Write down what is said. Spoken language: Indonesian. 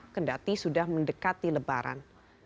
kendati sudah mendekati lebaran